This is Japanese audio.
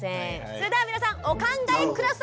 それでは皆さんお考え下さい！